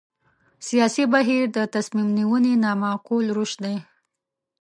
سیاسي بهیر د تصمیم نیونې نامعقول روش دی.